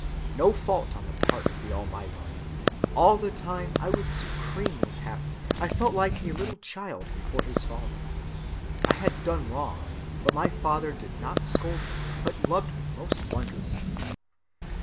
No fault on the part of the Almighty. All the time I was supremely happy: I felt like a little child before his father. I had done wrong, but my Father did not scold me, but loved me most wondrously.